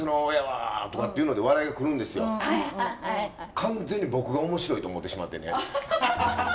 完全に僕が面白いと思ってしまってね。